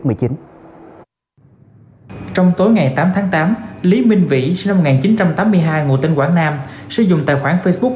trong tối ngày tám tháng tám lý minh vĩ sinh năm một nghìn chín trăm tám mươi hai ngụ tính quảng nam sử dụng tài khoản facebook